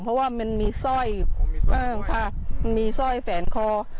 เพราะว่ามันมีสร้อยมีสร้อยแฝนคอ